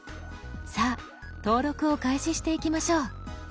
さあ登録を開始していきましょう。